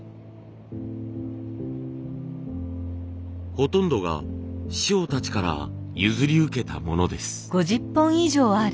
ほとんどが師匠たちから譲り受けたものです。